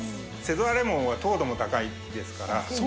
瀬戸田レモンは糖度も高いですから。